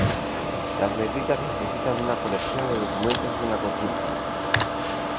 Las medidas necesitan una colección de documentos y una consulta.